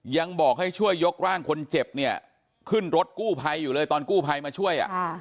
ยังบอกให้ช่วยยกร่างคนเจ็บเนี่ยขึ้นรถกู้ภัยอยู่เลยตอนกู้ภัยมาช่วย